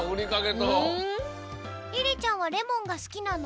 リリちゃんはレモンがすきなの？